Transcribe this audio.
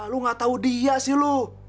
lo nggak tahu dia sih lo